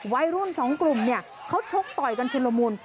วัยรุ่น๒กลุ่มเขาชกต่อยกันชนลมุน